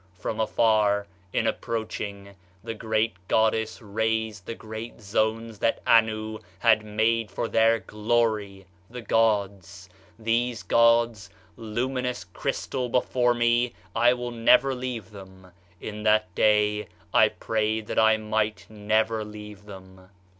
From afar, in approaching, the great goddess raised the great zones that Anu has made for their glory (the gods). These gods, luminous crystal before me, I will never leave them; in that day I prayed that I might never leave them.